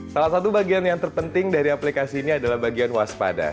salah satu bagian yang terpenting dari aplikasi ini adalah bagian waspada